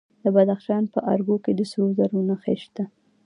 د بدخشان په ارګو کې د سرو زرو نښې شته.